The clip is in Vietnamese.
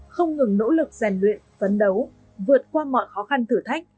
không ngừng nỗ lực rèn luyện phấn đấu vượt qua mọi khó khăn thử thách